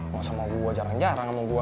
mau sama gue jarang jarang sama gue